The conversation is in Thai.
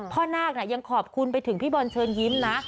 นาคยังขอบคุณไปถึงพี่บอลเชิญยิ้มนะ